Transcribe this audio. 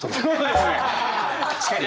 確かにね。